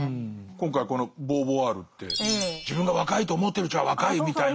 今回このボーヴォワールって自分が若いと思ってるうちは若いみたいの。